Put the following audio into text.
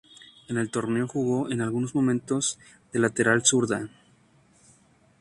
En el torneo jugó en algunos momentos de lateral zurda.